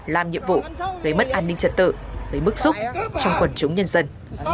làm nhiệm vụ gây mất an ninh trật tự gây bức xúc trong quần chúng nhân dân